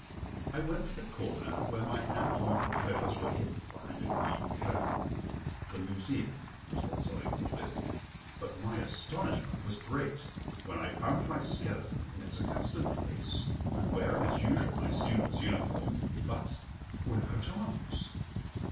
I went to the corner where my anatomical treasures were hidden behind a green curtain "the Museum," was what Solling called it but my astonishment was great when I found my skeleton in its accustomed place and wearing as usual my student's uniform but without arms.